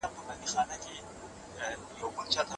مرګ د یوازیتوب لومړۍ شپه ده.